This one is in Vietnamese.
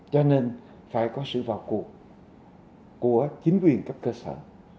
cho nên phải có sự vào cuộc của chính quyền cấp cơ sở